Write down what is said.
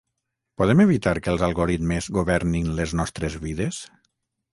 Podem evitar que els algoritmes governin les nostres vides?